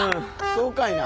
そうかいな。